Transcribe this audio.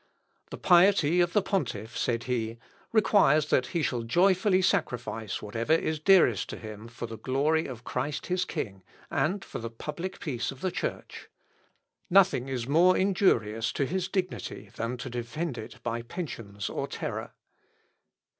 "The piety of the pontiff," said he, "requires that he shall joyfully sacrifice whatever is dearest to him for the glory of Christ his King, and for the public peace of the Church. Nothing is more injurious to his dignity than to defend it by pensions or terror.